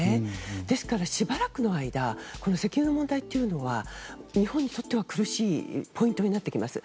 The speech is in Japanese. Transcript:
ですから、しばらくの間石油の問題というのは日本にとっては苦しいポイントになってきます。